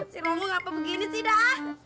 si ronggo kenapa begini sih dah